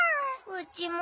うちも。